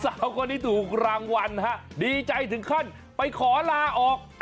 สาวคนนี้ถูกรางวัลฮะดีใจถึงขั้นไปขอลาออก